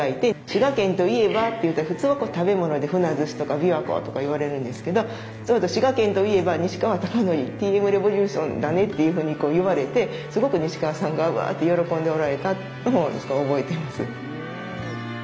「滋賀県といえば」といったら普通は食べ物で「ふなずし」とか「琵琶湖」とか言われるんですけど「滋賀県といえば西川貴教Ｔ．Ｍ．Ｒｅｖｏｌｕｔｉｏｎだね」っていうふうにこう言われてすごく西川さんが「ワー」って喜んでおられたのを覚えてます。